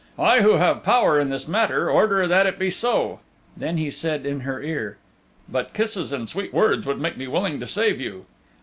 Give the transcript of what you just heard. I who have power in this matter order that it be so." Then he said in her ear, "But kisses and sweet words would make me willing to save you."